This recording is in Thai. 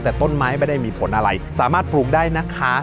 แต่ต้นไม้ไม่ได้มีผลอะไรสามารถปลูกได้นะคะ